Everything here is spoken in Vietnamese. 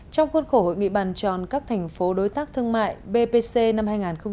trong khuôn khổ hội nghị bàn tròn các thành phố đối tác thương mại bpc năm hai nghìn hai mươi